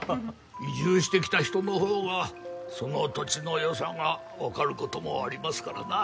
移住してきた人のほうがその土地の良さがわかる事もありますからな。